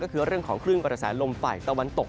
ก็คือเรื่องของคลื่นกระแสลมฝ่ายตะวันตก